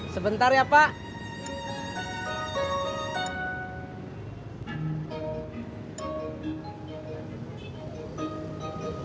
sebentar ya pak